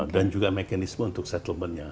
dan juga mekanisme untuk settlementnya